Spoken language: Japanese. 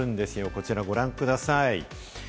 こちらご覧ください。